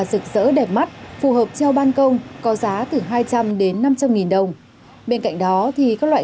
rực rỡ đẹp mắt phù hợp treo ban công có giá từ hai trăm linh đến năm trăm linh nghìn đồng bên cạnh đó thì các loại